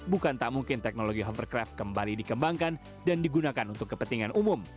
bukan tak mungkin teknologi honpercraft kembali dikembangkan dan digunakan untuk kepentingan umum